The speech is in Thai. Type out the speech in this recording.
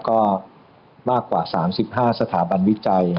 ก็มากกว่า๓๕สถาบันวิจัย